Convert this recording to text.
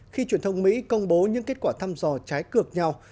khi truyền thông mỹ công bố những kết quả thăm dò trái ngược nhau